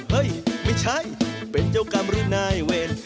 เฮ้ยไม่ใช่เป็นเจ้ากรรมหรือนายเวร